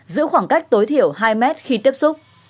giữ khoảng cách tối thiểu hai mét khi tiếp xúc